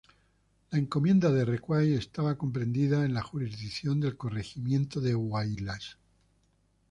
La encomienda de Recuay estaba comprendida en la jurisdicción del corregimiento de Huaylas.